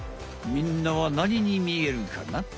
みんなは何にみえるかな？